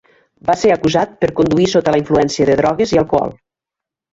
Va ser acusat per conduir sota la influència de drogues i alcohol.